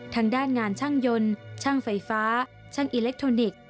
ทางด้านงานช่างยนต์ช่างไฟฟ้าช่างอิเล็กทรอนิกส์